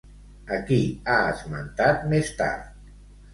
A qui ha esmentat més tard?